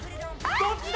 どっちだ？